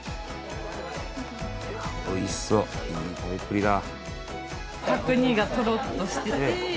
おいしそういい食べっぷりだ。